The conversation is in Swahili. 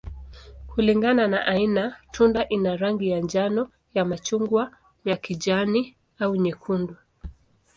Kulingana na aina, tunda ina rangi ya njano, ya machungwa, ya kijani, au nyekundu.